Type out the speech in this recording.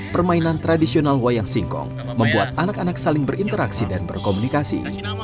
permainan tradisional wayang singkong membuat anak anak saling berinteraksi dan berkomunikasi